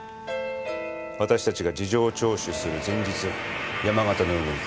私たちが事情聴取する前日山形の海に。